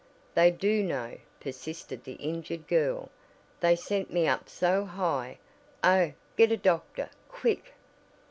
"They do know," persisted the injured girl "They sent me up so high! oh, get a doctor, quick!"